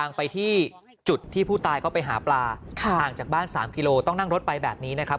ไปที่จุดที่ผู้ตายเขาไปหาปลาห่างจากบ้าน๓กิโลต้องนั่งรถไปแบบนี้นะครับ